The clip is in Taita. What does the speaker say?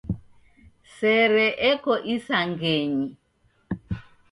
Sere eko isangenyi.